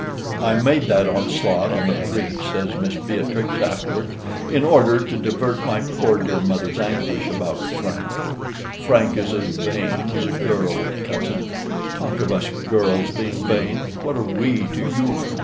"I made that onslaught on the priests," says Miss Beatrix, afterwards, "in order to divert my poor dear mother's anguish about Frank. Frank is as vain as a girl, cousin. Talk of us girls being vain, what are WE to you?